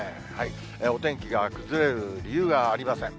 お天気が崩れる理由がありません。